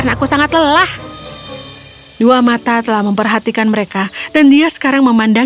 ibu dan kedua putrinya berkata